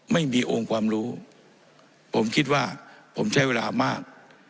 ไม่มีองค์ความรู้ผมคิดว่าผมใช้เวลามาก